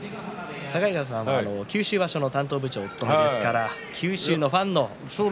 境川さんは九州場所の担当部長ですから九州のファンの。